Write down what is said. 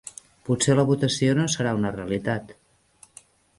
Potser la votació no serà una realitat.